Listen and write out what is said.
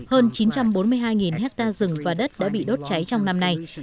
hơn chín trăm bốn mươi hai hectare rừng và đất đã bị đốt cháy trong năm nay